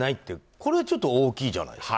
これは大きいじゃないですか。